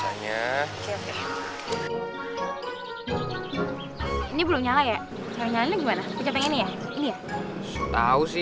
paling bentar lagi